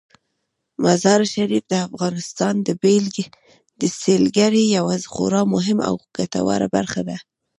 مزارشریف د افغانستان د سیلګرۍ یوه خورا مهمه او ګټوره برخه ده.